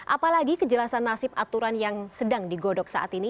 apalagi kejelasan nasib aturan yang sedang digodok saat ini